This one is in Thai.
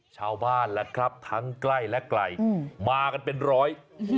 ชาวบ้านแหละครับทั้งใกล้และไกลมากันเป็นร้อย